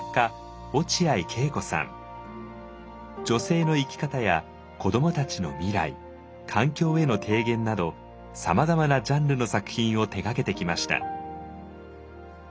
女性の生き方や子どもたちの未来環境への提言などさまざまなジャンルの作品を手がけてきました。